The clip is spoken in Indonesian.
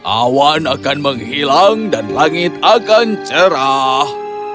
awan akan menghilang dan langit akan cerah